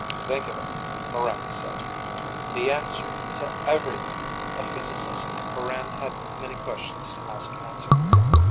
"Think of it," Morran said. "The answer to everything!" A physicist, Morran had many questions to ask Answerer.